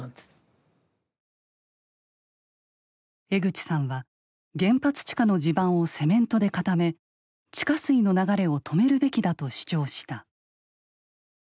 江口さんは原発地下の地盤をセメントで固め地下水の流れを止めるべきだと主張した。